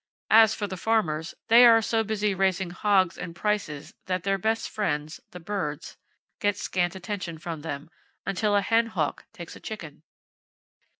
As for the farmers, they are so busy raising hogs and prices that their best friends, the birds, get scant attention from them,—until a hen hawk takes a chicken!